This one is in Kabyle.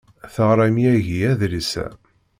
Teɣram yagi adlis-a.